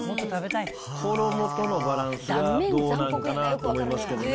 衣とのバランスがどうなんかなと思いますけどね。